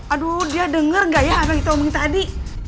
aduh dia denger gak ya apa yang kita omongin tadi